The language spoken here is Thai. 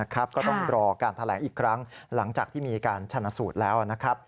ก็ต้องรอการแถลงอีกครั้งหลังจากที่มีการชนะสูตรแล้วนะครับ